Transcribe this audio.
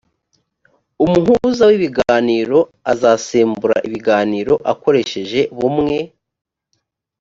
umuhuza w ibiganiro azasembura ibiganiro akoresheje bumwe